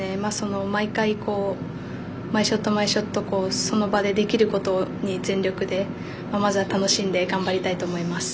毎回、毎ショットその場でできることに全力でまずは楽しんで頑張りたいと思います。